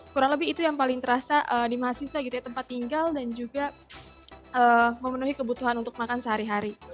kurang lebih itu yang paling terasa di mahasiswa gitu ya tempat tinggal dan juga memenuhi kebutuhan untuk makan sehari hari